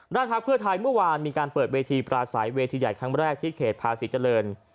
พักเพื่อไทยเมื่อวานมีการเปิดเวทีปราศัยเวทีใหญ่ครั้งแรกที่เขตภาษีเจริญ